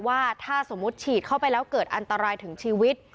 ว่าถ้าสมมุติฉีดเข้าไปแล้วเกิดอันตรายถึงชีวิต